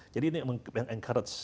jadi ini yang encourage